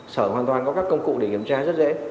sở hoàn toàn có các công cụ để kiểm tra rất dễ